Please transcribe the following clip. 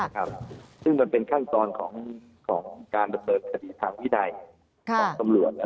ซึ่งมันเป็นขั้นตอนของการดำเนินคดีทางวินัยของตำรวจ